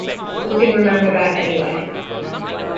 Who can remember that anyway?